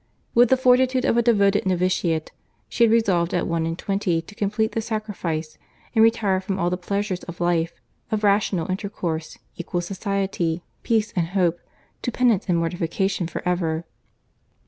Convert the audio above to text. With the fortitude of a devoted novitiate, she had resolved at one and twenty to complete the sacrifice, and retire from all the pleasures of life, of rational intercourse, equal society, peace and hope, to penance and mortification for ever.